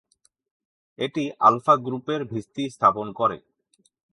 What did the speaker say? এটি আলফা গ্রুপের ভিত্তি স্থাপন করে।